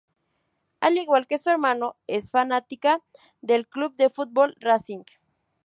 Al igual que su hermano, es fanática del club de fútbol Racing.